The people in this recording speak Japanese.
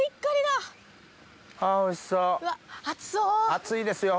熱いですよ。